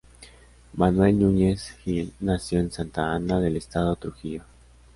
Manuel Núñez Gil nació en Santa Ana del Estado Trujillo.